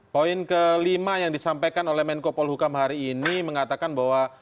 poin kelima yang disampaikan oleh menko polhukam hari ini mengatakan bahwa